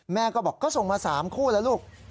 แม่ก็บอกก็ส่งมา๓คู่แล้วลูก